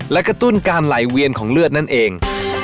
และกระตุ้นการไหลเวียนของเลือดนั่นเอง